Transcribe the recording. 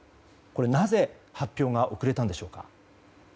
なぜ、発表が遅れたんでしょうか。